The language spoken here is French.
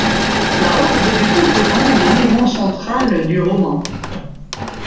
La Horde du Contrevent est l'élément central du roman.